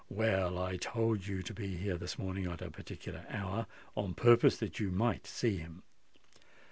Well—I told you to be here this morning at a particular hour, on purpose that you might see him.